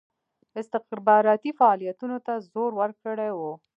استخباراتي فعالیتونو ته زور ورکړی وو.